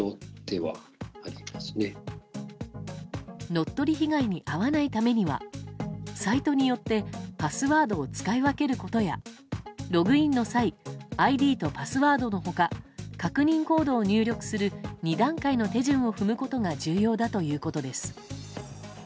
乗っ取り被害に遭わないためにはサイトによってパスワードを使い分けることやログインの際ＩＤとパスワードの他確認コードを入力する２段階の手順を踏むことが重要だということです。